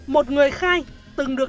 một người khai từng được